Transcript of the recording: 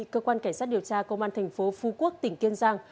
cơ quan cảnh sát điều tra công an thành phố phú quốc tỉnh kiên giang